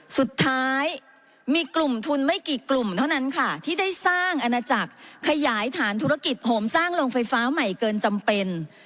สุดท้ายมีกลุ่มทุนไม่กี่กลุ่มเท่านั้นค่ะที่ได้สร้างอาณาจักรขยายฐานธุรกิจโหมสร้างโรงไฟฟ้าใหม่เกินจำเป็น